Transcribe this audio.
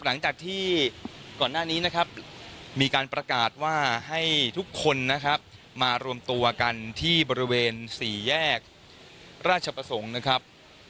หลังจากที่ก่อนหน้านี้นะครับมีการประกาศว่าให้ทุกคนนะครับมารวมตัวกันที่บริเวณสี่แยกราชประสงค์นะครับ